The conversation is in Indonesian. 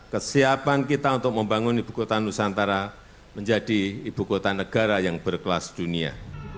kesiapan kita untuk membangun ibu kota nusantara menjadi ibu kota negara yang berkelas dunia